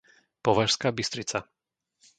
Považská Bystrica